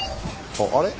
あれ？